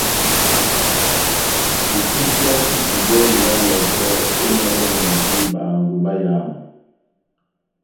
Ekipi yá futubɔlu ya Lɔhɔkɔ emajanadi bahangwi bayamu.